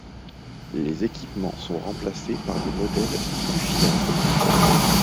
Les équipements sont remplacés par des modèles plus fiables.